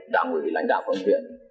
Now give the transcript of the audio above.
đảng ủy lãnh đạo công viên